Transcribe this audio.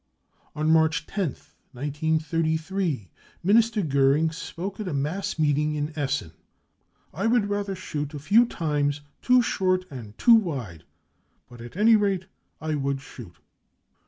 On March 10th, 1933, Minister Goering spoke at aTBSr meeting in Essen :" I would rather shoot a few times too short and too wide, but at any rate I would shoot."